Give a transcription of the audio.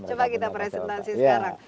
coba kita presentasi sekarang